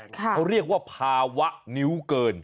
เขาเรียกว่าภาวะนิ้วเกิน